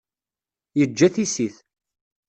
Yeǧǧa tissit.